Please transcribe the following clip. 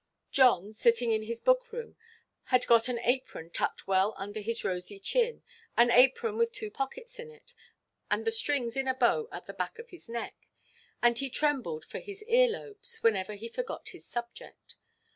John, sitting in his book–room, had got an apron tucked well under his rosy chin—an apron with two pockets in it, and the strings in a bow at the back of his neck; and he trembled for his ear–lobes, whenever he forgot his subject.